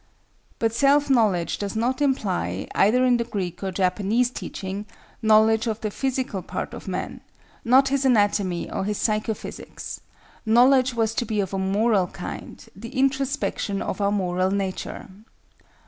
But self knowledge does not imply, either in the Greek or Japanese teaching, knowledge of the physical part of man, not his anatomy or his psycho physics; knowledge was to be of a moral kind, the introspection of our moral nature.